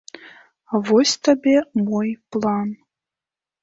Вось табе мой план.